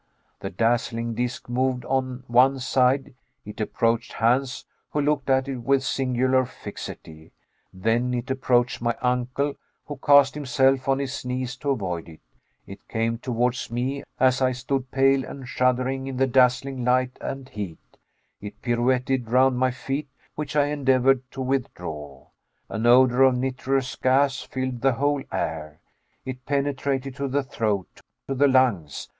The dazzling disk moved on one side, it approached Hans, who looked at it with singular fixity; then it approached my uncle, who cast himself on his knees to avoid it; it came towards me, as I stood pale and shuddering in the dazzling light and heat; it pirouetted round my feet, which I endeavored to withdraw. An odor of nitrous gas filled the whole air; it penetrated to the throat, to the lungs.